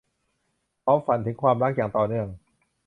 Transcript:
เขาฝันถึงความรักอย่างต่อเนื่อง